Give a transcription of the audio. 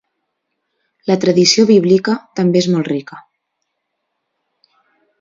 La tradició bíblica també és molt rica.